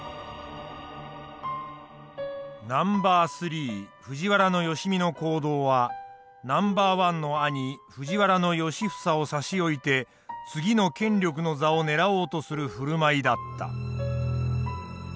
ナンバー３藤原良相の行動はナンバー１の兄藤原良房を差し置いて次の権力の座を狙おうとする振る舞いだった。